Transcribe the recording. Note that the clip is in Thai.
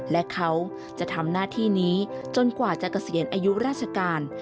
และเขาจะทำหน้าที่นี้จนกว่าจะเกษียณอายุราชการ